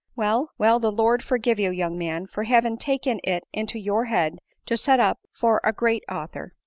Well, well, the Lord forgive you, young man, for having taken it into your head to set up for a great author."